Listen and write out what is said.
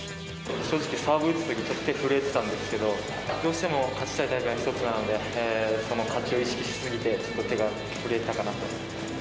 正直、サーブ打つときにちょっと手、震えてたんですけど、どうしても勝ちたい大会の一つなので、その勝ちを意識しすぎて手が震えたかなと。